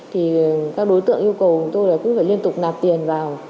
thì các đối tượng yêu cầu tôi là cũng phải liên tục nạp tiền vào